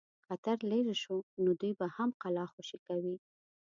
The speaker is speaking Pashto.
خطر لیري شو نو دوی به هم قلا خوشي کوي.